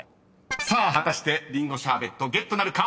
さあ果たしてりんごシャーベットゲットなるか？］